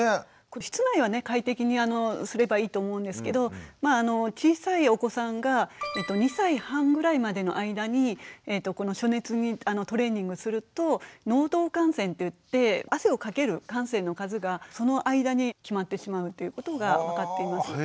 室内はね快適にすればいいと思うんですけど小さいお子さんが２歳半ぐらいまでの間に暑熱にトレーニングすると能動汗腺っていって汗をかける汗腺の数がその間に決まってしまうっていうことが分かっています。